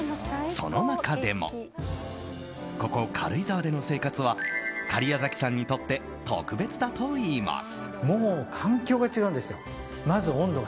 その中でもここ軽井沢での生活は假屋崎さんにとって特別だといいます。